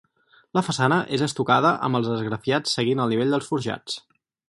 La façana és estucada amb esgrafiats seguint el nivell dels forjats.